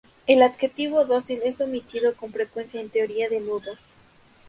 El adjetivo dócil es omitido con frecuencia en teoría de nudos.